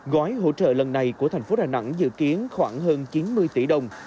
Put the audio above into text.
gói hỗ trợ lần này của thành phố đà nẵng dự kiến khoảng hơn chín mươi tỷ đồng